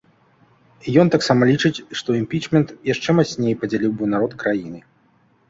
Ён таксама лічыць, што імпічмент яшчэ мацней падзяліў бы народ краіны.